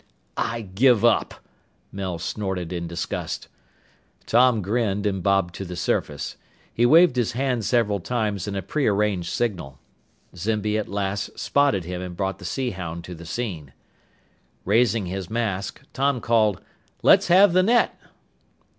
"I give up!" Mel snorted in disgust. Tom grinned and bobbed to the surface. He waved his hand several times in a prearranged signal. Zimby at last spotted him and brought the Sea Hound to the scene. Raising his mask, Tom called, "Let's have the net!"